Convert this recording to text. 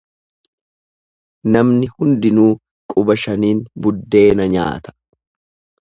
Namni hundinuu quba shaniin buddeena nyaata.